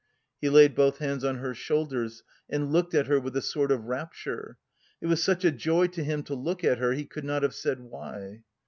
He laid both hands on her shoulders and looked at her with a sort of rapture. It was such a joy to him to look at her, he could not have said why.